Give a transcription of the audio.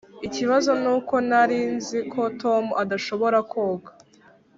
ikibazo nuko ntari nzi ko tom adashobora koga.